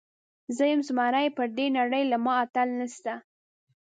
زه یم زمری، پر دې نړۍ له ما اتل نسته.